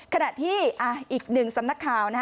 ขณะที่อีกหนึ่งสำนักข่าว